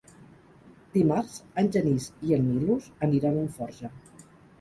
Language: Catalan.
Dimarts en Genís i en Milos aniran a Alforja.